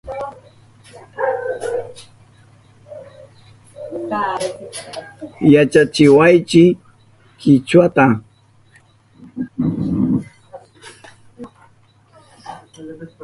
Yachachiwaychi Kichwata